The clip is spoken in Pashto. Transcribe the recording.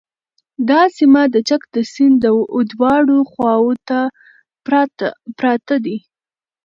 دا سیمه د چک د سیند دواړو خواوو ته پراته دي